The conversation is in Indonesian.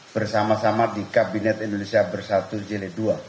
bersama sama di kabinet indonesia bersatu jd ii